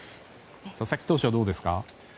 佐々木投手はどうですか？